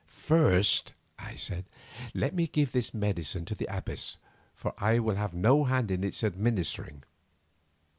"First," I said, "let me give this medicine to the abbess, for I will have no hand in its administering.